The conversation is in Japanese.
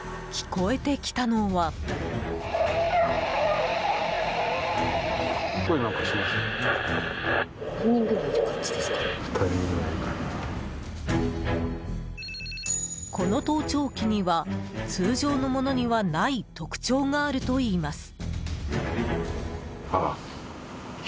この盗聴器には通常のものにはない特徴があるといいます。